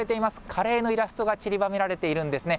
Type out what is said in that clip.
カレーのイラストがちりばめられているんですね。